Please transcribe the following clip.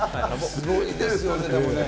すごいですよね、でもね。